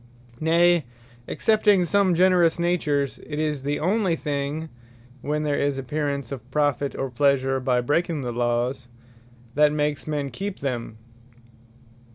Nay, (excepting some generous natures,) it is the onely thing, (when there is apparence of profit, or pleasure by breaking the Lawes,) that makes men keep them.